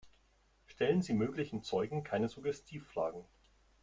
Stellen Sie möglichen Zeugen keine Suggestivfragen.